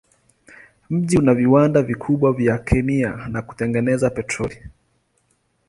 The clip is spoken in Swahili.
Mji una viwanda vikubwa vya kemia na kutengeneza petroli.